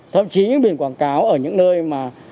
thậm chí những biển quảng cáo ở những nơi mà